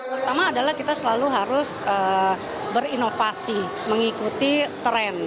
pertama adalah kita selalu harus berinovasi mengikuti tren